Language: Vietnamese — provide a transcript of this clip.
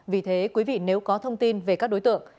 vì thế quý vị nếu có thông tin về các đối tượng